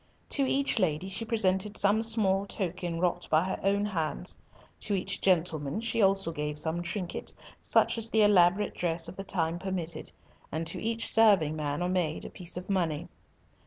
To each lady she presented some small token wrought by her own hands. To each gentleman she also gave some trinket, such as the elaborate dress of the time permitted, and to each serving man or maid a piece of money.